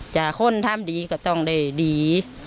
คนทำดีก็ต้องได้ดี